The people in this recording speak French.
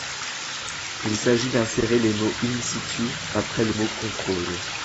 Il s’agit d’insérer les mots :« in situ » après le mot :« contrôle ».